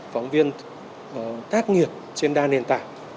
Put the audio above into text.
phóng viên tác nghiệp trên đa nền tảng